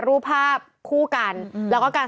รูปภาพคู่กันแล้วก็กัน